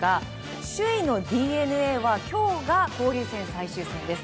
首位のＤｅＮＡは今日が交流戦最終戦です。